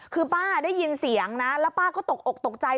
คือป้าได้ยินเสียงนะแล้วป้าก็ตกอกตกใจ